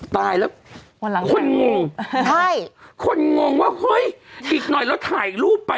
ตายแล้วคนงงใช่คนงงว่าเฮ้ยอีกหน่อยเราถ่ายรูปไป